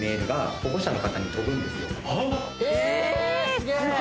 すげえ！